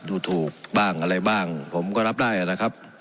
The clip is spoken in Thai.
ดูถูกบ้างอะไรบ้างผมก็รับได้นะครับ